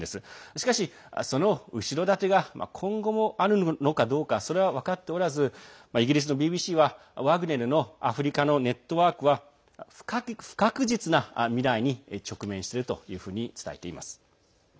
しかし、その後ろ盾が今後もあるのかどうかそれは分かっておらずイギリスのＢＢＣは、ワグネルのアフリカでのネットワークは不確実な未来に直面しているというふうに伝えています。